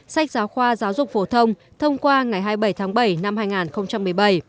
sách giáo khoa giáo dục phổ thông thông qua ngày hai mươi bảy tháng bảy năm hai nghìn một mươi bảy